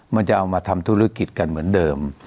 มันจะเอามาทำธุรกิจกันเหมือนเดิม